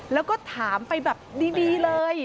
แล้วก็ถามไปแบบดีเลย